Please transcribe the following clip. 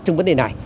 trong vấn đề này